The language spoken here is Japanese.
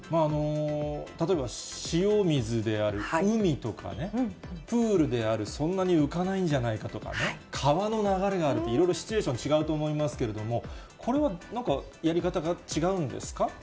例えば塩水である海とかね、プールである、そんなに浮かないんじゃないかとかね、川の流れがあるとかいろいろシチュエーションが違うと思いますけれども、これはやり方が違うんですか？